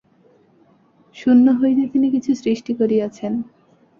শূন্য হইতে তিনি কিছু সৃষ্টি করিয়াছেন।